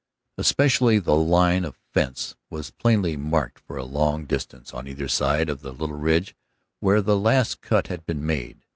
Especially the line of fence was plainly marked for a long distance on either side of the little ridge where the last cut had been made.